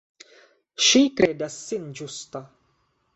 Ŝi kredas sin ĝusta.